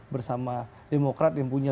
bersama demokrat yang punya